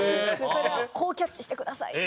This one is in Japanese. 「それはこうキャッチしてください！」。